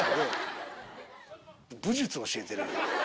武術教えてるの？